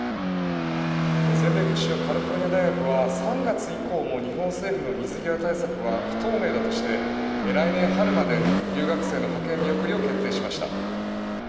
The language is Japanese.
全米屈指のカリフォルニア大学は３月以降も日本政府の水際対策は不透明だとして来年春まで、留学生の派遣見送りを決定しました。